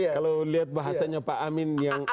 kalau lihat bahasanya pak amin yang